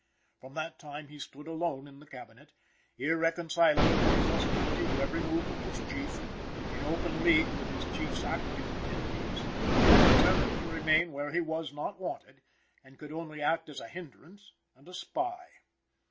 From that time he stood alone in the Cabinet, irreconcilable in his hostility to every move of his Chief, in open league with his Chief's active enemies, and determined to remain where he was not wanted and could only act as a hindrance and a spy.